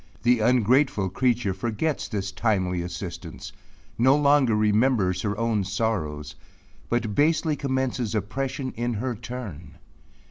The ungrateful creature forgets this timely assistance no longer remembers her own sorrows but basely commences oppression in her turn.